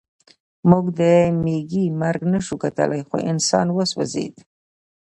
موږ د مېږي مرګ نشو کتلی خو انسان وسوځېد